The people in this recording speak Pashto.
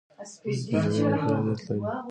نجلۍ د خیر نیت لري.